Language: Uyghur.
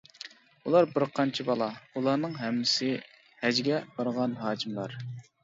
ئۇلار بىرقانچە بالا. ئۇلارنىڭ ھەممىسى ھەجگە بارغان ھاجىملار.